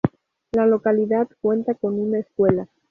La localidad cuenta con una escuela.